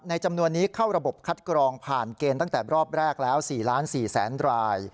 จำนวนนี้เข้าระบบคัดกรองผ่านเกณฑ์ตั้งแต่รอบแรกแล้ว๔๔๐๐๐ราย